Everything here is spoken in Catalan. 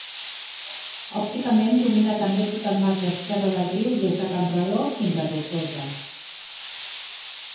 Òpticament domina també tot el marge esquerre del riu des de Campredó fins a Tortosa.